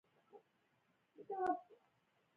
ساینس د داسې کومې جګړې مخه نه لري.